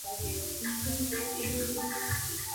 ya vita ya wenyewe kwa wenyewe iliyoishia mwaka elfu